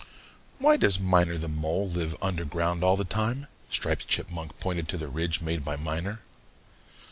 "Why does Miner the Mole live under ground all the time?" Striped Chipmunk pointed to the ridge made by Miner.